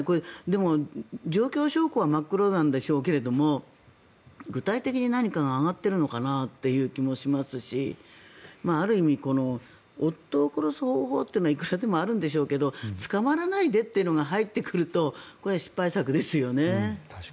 でも、状況証拠は真っ黒なんでしょうけれども具体的に何かが上がっているのかなという気もしますしある意味夫を殺す方法というのはいくらでもあるんでしょうけれど捕まらないでというのが入ってくるとこれ、失敗作ですよね。